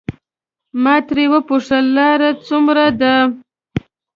ما ترې وپوښتل لار څومره ده.